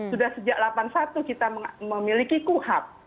sudah sejak delapan puluh satu kita memiliki kuhp